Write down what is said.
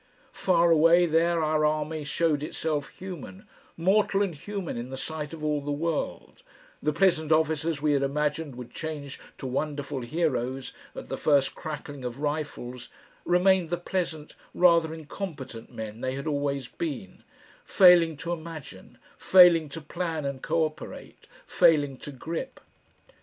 Far away there our army showed itself human, mortal and human in the sight of all the world, the pleasant officers we had imagined would change to wonderful heroes at the first crackling of rifles, remained the pleasant, rather incompetent men they had always been, failing to imagine, failing to plan and co operate, failing to grip.